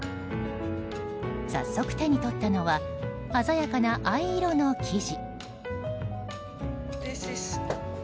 早速、手に取ったのは鮮やかな藍色の生地。